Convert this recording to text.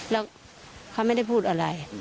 แล้วเขาไม่ได้พูดอะไร